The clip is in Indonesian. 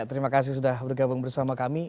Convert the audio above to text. terima kasih sudah bergabung bersama kami